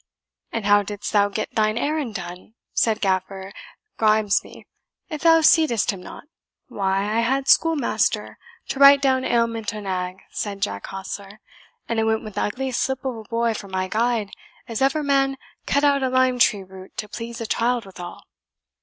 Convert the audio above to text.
"And how didst thou get thine errand done," said Gaffer Grimesby, "if thou seedst him not?" "Why, I had schoolmaster to write down ailment o' nag," said Jack Hostler; "and I went wi' the ugliest slip of a boy for my guide as ever man cut out o' lime tree root to please a child withal."